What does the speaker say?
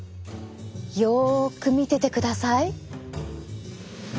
よく見ててください！